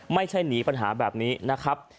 ไม่ใช่หนีปัญหาแบบนี้นะครับ